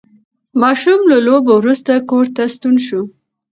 ماشوم له لوبو وروسته کور ته ستون شو